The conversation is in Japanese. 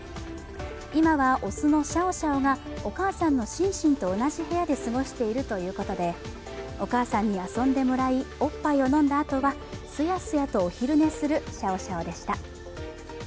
今は雄のシャオシャオがお母さんのシンシンと同じ部屋で過ごしているということで、お母さんに遊んでもらいおっぱいを飲んだあとはすやすやとお昼寝するシャオシャオでした。